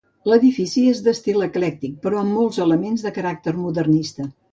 L'edifici és d'estil eclèctic, però amb molts elements de caràcter modernista.